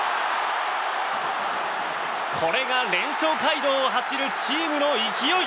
これが連勝街道を走るチームの勢い。